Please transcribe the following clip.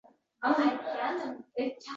Nachora, kuni bitgan-da.